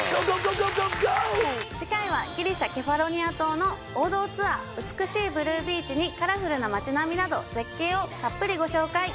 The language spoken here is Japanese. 次回はギリシャケファロニア島の王道ツアー美しいブルービーチにカラフルな街並みなど絶景をたっぷりご紹介